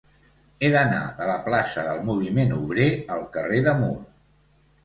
He d'anar de la plaça del Moviment Obrer al carrer de Mur.